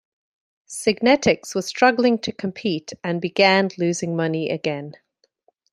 Signetics was struggling to compete, and began losing money again.